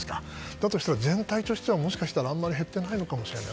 だとしたら全体としたらもしかしたらあまり減っていないのかもしれない。